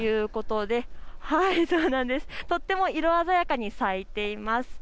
とても色鮮やかに咲いています。